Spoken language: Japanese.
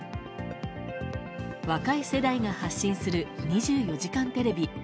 若い世代が発信する「２４時間テレビ」。